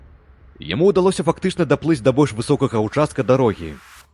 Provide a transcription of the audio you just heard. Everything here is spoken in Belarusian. Яму ўдалося фактычна даплыць да больш высокага ўчастка дарогі.